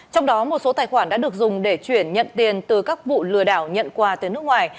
trong đó một số tài khoản đã được dùng để chuyển nhận tiền từ các vụ lừa đảo nhận qua từ nước ngoài